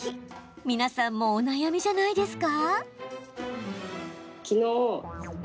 皆さんもお悩みじゃないですか？